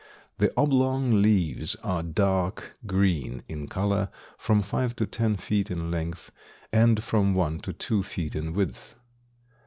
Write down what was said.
The oblong leaves are dark green in color, from five to ten feet in length, and from one to two feet in width.